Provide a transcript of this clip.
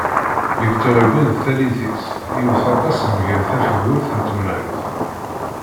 Victor Hugo deg tallit-is iwet aṭas mgal tafgurt n tmenɣiwt.